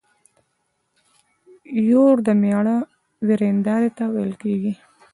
يور د مېړه ويرنداري ته ويل کيږي.